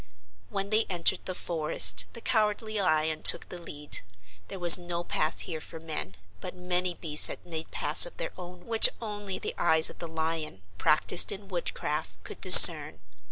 When they entered the forest the Cowardly Lion took the lead. There was no path here for men, but many beasts had made paths of their own which only the eyes of the Lion, practiced in woodcraft, could discern.